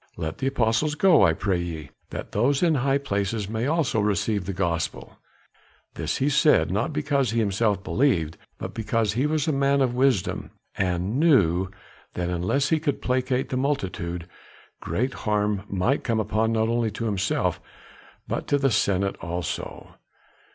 Let the apostles go, I pray ye, that those in high places may also receive the Gospel." This he said, not because he himself believed, but because he was a man of wisdom, and knew that unless he could placate the multitude, great harm might come not only to himself but to the senate also.